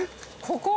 ここ。